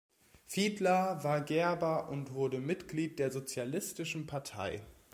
Fiedler war Gerber und wurde Mitglied der Sozialistischen Partei.